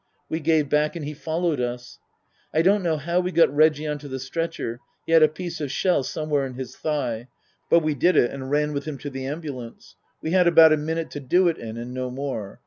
We gave back and he followed us. I don't know how we got Reggie on to the stretcher he had a piece of shall somewhere in his thigh but we did it and ran with him to the ambulance. We had about a minute to do it in and no more.